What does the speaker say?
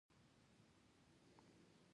پښتو ژبه د کلتور او ادب په برخه کې مهم رول لري.